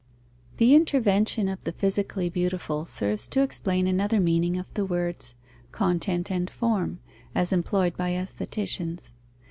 _ The intervention of the physically beautiful serves to explain another meaning of the words content and form, as employed by aestheticians.